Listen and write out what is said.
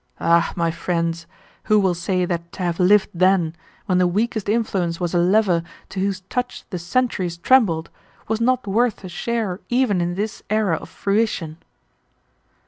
Ah, my friends! who will say that to have lived then, when the weakest influence was a lever to whose touch the centuries trembled, was not worth a share even in this era of fruition?